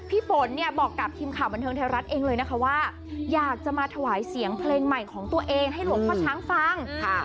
ฝนเนี่ยบอกกับทีมข่าวบันเทิงไทยรัฐเองเลยนะคะว่าอยากจะมาถวายเสียงเพลงใหม่ของตัวเองให้หลวงพ่อช้างฟัง